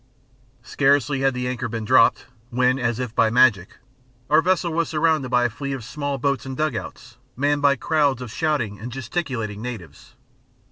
Scarcely had the anchor been dropped, when, as if by magic, our vessel was surrounded by a fleet of small boats and "dug outs" manned by crowds of shouting and gesticulating natives.